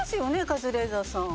カズレーザーさん。